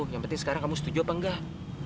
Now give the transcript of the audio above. yang penting sekarang kamu setuju apa enggak